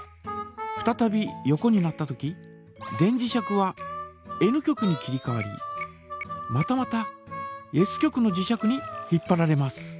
ふたたび横になったとき電磁石はＮ極に切りかわりまたまたＳ極の磁石に引っぱられます。